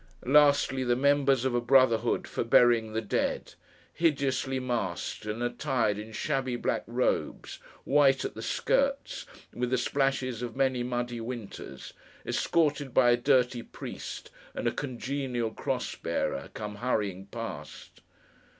Lastly, the members of a brotherhood for burying the dead: hideously masked, and attired in shabby black robes, white at the skirts, with the splashes of many muddy winters: escorted by a dirty priest, and a congenial cross bearer: come hurrying past.